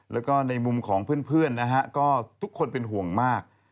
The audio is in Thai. แล้วก็ในมุมของเพื่อนนะฮะก็ทุกคนเป็นห่วงมาก